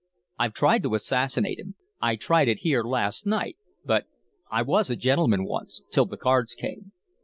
I've tried to assassinate him. I tried it here last night but I was a gentleman once till the cards came.